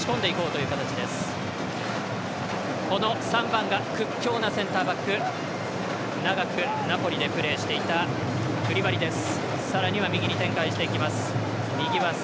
３番屈強なセンターバック長くナポリでプレーしていたクリバリです。